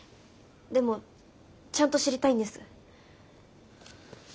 でもちゃんと知りたいんです。